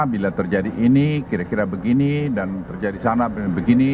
bila terjadi ini kira kira begini dan terjadi sana begini